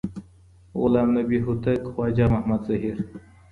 غلام نبي هوتک خواجه محمد زهير